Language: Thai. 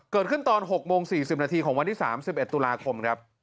เกิดขึ้นตอน๖โมง๔๐นาทีของวันที่๓๑ตุลาคม